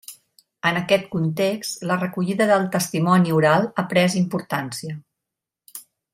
En aquest context, la recollida del testimoni oral ha pres importància.